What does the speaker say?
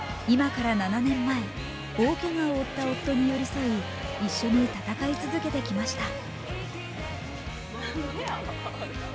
今から７年前、大けがを負った夫に寄り添い一緒に戦い続けてきました。